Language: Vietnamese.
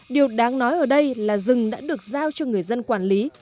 điều đáng nói ở đây là rừng đã được giao cho người dân quản lý